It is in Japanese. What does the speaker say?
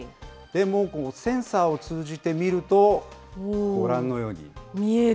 でもセンサーを通じて見ると、ご覧のように。